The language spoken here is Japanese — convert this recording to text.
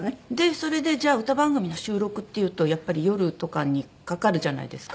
それでじゃあ歌番組の収録っていうとやっぱり夜とかにかかるじゃないですか。